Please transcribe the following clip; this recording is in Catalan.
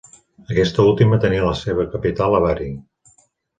Aquest últim tenia la seva capital a Bari.